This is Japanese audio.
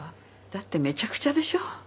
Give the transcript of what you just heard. だってめちゃくちゃでしょ？